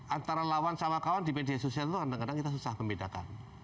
antara lawan sama kawan di media sosial itu kadang kadang kita susah membedakan